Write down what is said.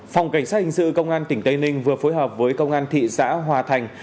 phòng cảnh sát hình sự công an tỉnh tây ninh vừa phối hợp với công an thị xã hòa thành